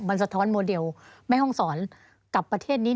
มันสะท้อนโมเดลแม่ห้องสอนกับประเทศนี้